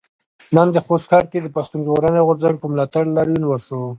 نن د خوست ښار کې د پښتون ژغورنې غورځنګ په ملاتړ لاريون وشو.